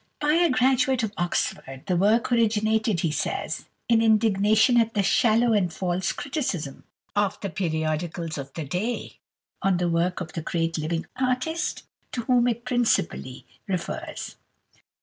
By a Graduate of Oxford." The work originated, he says, "in indignation at the shallow and false criticism of the periodicals of the day on the work of the great living artist to whom it principally refers."